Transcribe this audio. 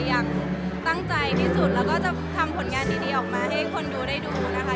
อย่างตั้งใจที่สุดแล้วก็จะทำผลงานดีออกมาให้คนดูได้ดูนะคะ